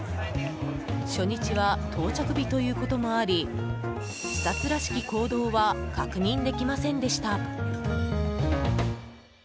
初日は到着日ということもあり視察らしき行動は確認できませんでした。